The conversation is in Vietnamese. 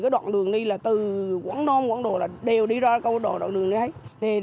đoạn đường đi từ quảng đông quảng đồ là đều đi ra đoạn đường này hết